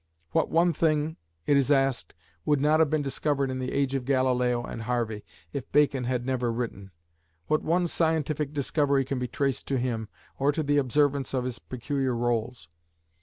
What one thing, it is asked, would not have been discovered in the age of Galileo and Harvey, if Bacon had never written? What one scientific discovery can be traced to him, or to the observance of his peculiar rules?